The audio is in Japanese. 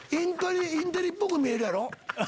インテリっぽく見えるやろ？